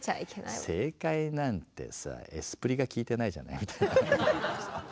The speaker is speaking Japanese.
「正解なんてさエスプリがきいてないじゃない」みたいな。